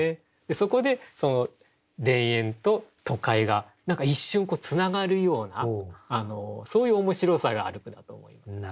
そこで田園と都会が何か一瞬つながるようなそういう面白さがある句だと思いますね。